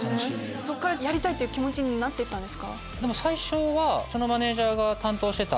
そっからやりたいって気持ちになってったんですか？